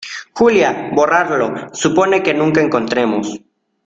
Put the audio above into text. Julia, borrarlo supone que nunca encontremos